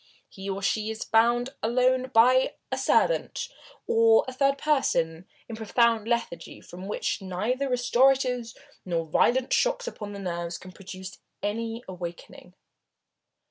He, or she, is found alone by a servant, or a third person, in a profound lethargy from which neither restoratives nor violent shocks upon the nerves can produce any awakening.